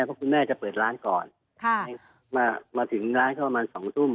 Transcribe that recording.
เพราะคุณแม่จะเปิดร้านก่อนมาถึงร้านก็ประมาณ๒ทุ่ม